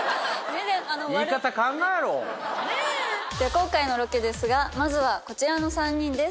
今回のロケですがまずはこちらの３人です。